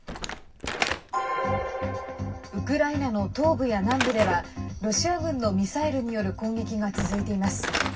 ウクライナの東部や南部ではロシア軍のミサイルによる攻撃が続いています。